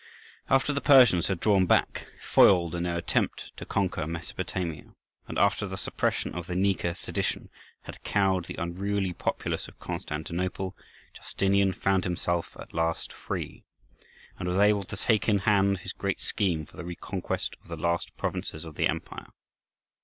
After the Persians had drawn back, foiled in their attempt to conquer Mesopotamia, and after the suppression of the "Nika" sedition had cowed the unruly populace of Constantinople, Justinian found himself at last free, and was able to take in hand his great scheme for the reconquest of the lost provinces of the empire.